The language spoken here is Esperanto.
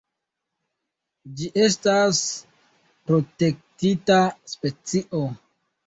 Ĝi estas protektita specio.